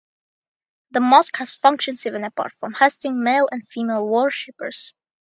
The mosque has functions even apart from hosting male and female worshippers.